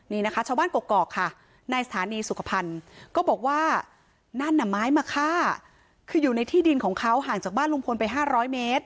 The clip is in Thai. นี่นะคะชาวบ้านกกอกค่ะในสถานีสุขภัณฑ์ก็บอกว่านั่นน่ะไม้มาฆ่าคืออยู่ในที่ดินของเขาห่างจากบ้านลุงพลไป๕๐๐เมตร